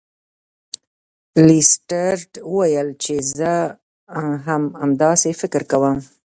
لیسټرډ وویل چې زه هم همداسې فکر کوم.